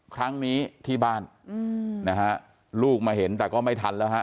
ครั้งนี้ที่บ้านนะฮะลูกมาเห็นแต่ก็ไม่ทันแล้วฮะ